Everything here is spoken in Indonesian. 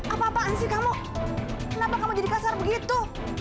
apa apaan sih kamu kenapa kamu jadi kasar begitu